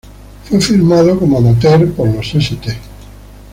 Fue firmado como amateur por los St.